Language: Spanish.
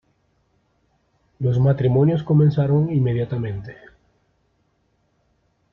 Los matrimonios comenzaron inmediatamente.